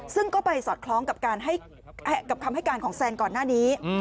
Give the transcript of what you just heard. ซึ่งก็ไปสอดคล้องกับคำให้การของแซนก่อนหน้านี้